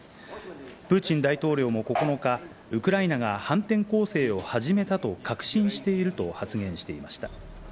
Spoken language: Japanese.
プーチン大統領も９日、ウクライナが反転攻勢を始めたと確信していると発言していました。